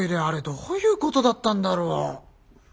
あれどういうことだったんだろう？